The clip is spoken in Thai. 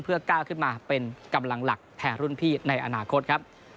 เพื่อก้าวขึ้นมาเป็นกำลังหลักแทนรุ่นพี่ในอนาคตครับ